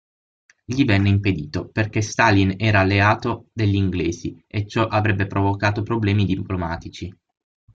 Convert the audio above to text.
Gli venne impedito perché Stalin era alleato degli Inglesi e ciò avrebbe provocato problemi diplomatici.